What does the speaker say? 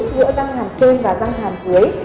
giữa răng hàm trên và răng hàm dưới